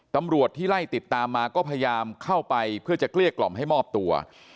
ตำรวจที่ไล่ติดตามมาก็พยายามเข้าไปเพื่อจะเกลี้ยกล่อมให้มอบตัว